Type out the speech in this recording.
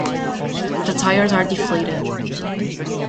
The tires are Deflated.